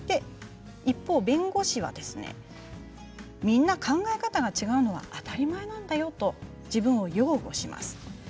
一方、弁護士はみんな考え方が違うのは当たり前なんだよと自分を擁護します。